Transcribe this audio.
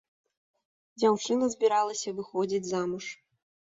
Дзяўчына збіралася выходзіць замуж.